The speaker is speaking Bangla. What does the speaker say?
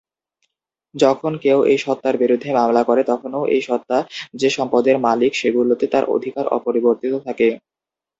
যখন কেউ এই সত্তার বিরুদ্ধে মামলা করে তখনও এই সত্তা যে সম্পদের মালিক সেগুলোতে তার অধিকার অপরিবর্তিত থাকে।